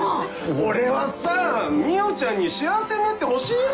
俺はさ海音ちゃんに幸せになってほしいのよ。